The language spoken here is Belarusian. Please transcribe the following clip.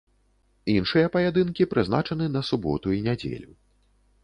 Іншыя паядынкі прызначаны на суботу і нядзелю.